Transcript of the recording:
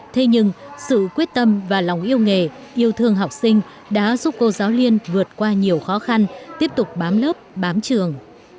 thế nhưng sự quyết tâm và lòng yêu nghề yêu thương học sinh đã giúp cô giáo liên vượt qua nhiều khó khăn tiếp tục bám lớp bám trường